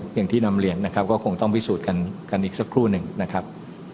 อย่างที่นำเรียนนะครับก็คงต้องพิสูจน์กันอีกสักครู่หนึ่งนะครับ